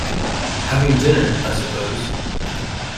Having dinner, I suppose.